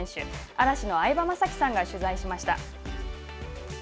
嵐の相葉雅紀さんが取材しました。